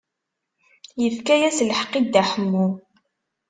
Yefka-as lḥeqq i Dda Ḥemmu.